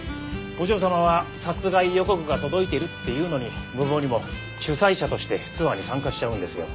お嬢様は殺害予告が届いているっていうのに無謀にも主催者としてツアーに参加しちゃうんですよ。